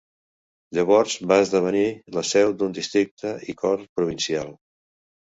Llavors va esdevenir la seu d'un districte i cort provincial.